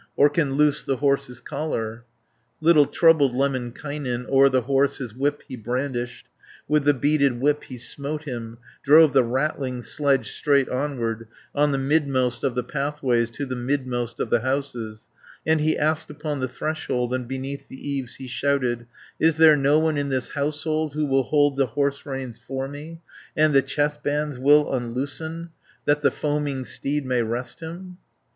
Or can loose the horse's collar." 330 Little troubled Lemminkainen, O'er the horse his whip he brandished, With the beaded whip he smote him, Drove the rattling sledge straight onward, On the midmost of the pathways To the midmost of the houses, And he asked upon the threshold, And beneath the eaves he shouted: "Is there no one in this household Who will hold the horse reins for me, 340 And the chest bands will unloosen, That the foaming steed may rest him?"